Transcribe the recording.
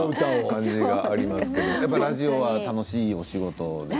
ラジオは楽しいお仕事ですか？